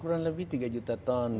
kurang lebih tiga juta ton